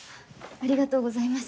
ありがとうございます。